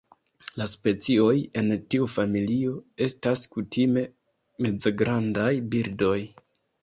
La specioj en tiu familio estas kutime mezgrandaj birdoj.